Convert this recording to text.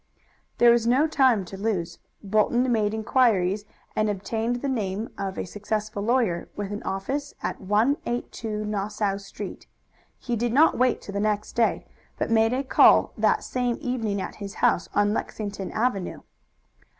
There was no time to lose. Bolton made inquiries and obtained the name of a successful lawyer, with an office at 182 Nassau Street. He did not wait till the next day, but made a call that same evening at his house on Lexington Avenue.